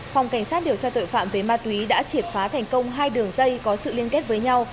phòng cảnh sát điều tra tội phạm về ma túy đã triệt phá thành công hai đường dây có sự liên kết với nhau